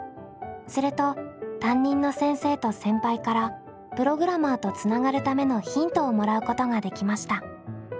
すると担任の先生と先輩からプログラマーとつながるためのヒントをもらうことができました。